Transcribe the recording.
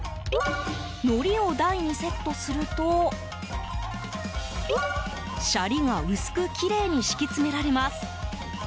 のりを台にセットするとシャリが薄くきれいに敷き詰められます。